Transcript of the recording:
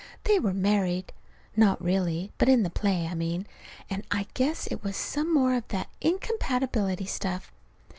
They were married (not really, but in the play, I mean), and I guess it was some more of that incompatibility stuff.